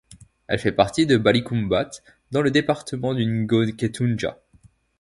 Elle fait partie de Balikumbat dans le département du Ngo-Ketunjia.